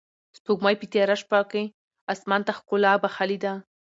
سپوږمۍ په تیاره شپه کې اسمان ته ښکلا بښلې ده.